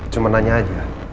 cuman nanya aja